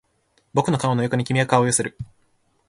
僕の顔の横に君は顔を寄せる